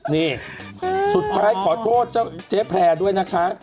นี่สุดท้ายขอโทษเจ้าเจ๊แพร่ด้วยนะคะ